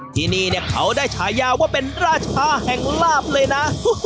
ที่นี่เขาได้ฉายาว่าเป็นราชาแห่งลาบเลยนะ